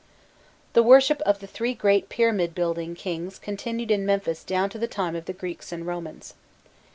The worship of the three great pyramid building kings continued in Memphis down to the time of the Greeks and Romans.